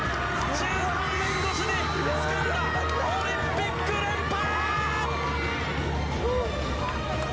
１３年越しにつかんだオリンピック連覇。